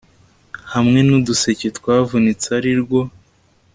Hamwe nuduseke twavunitse arirwo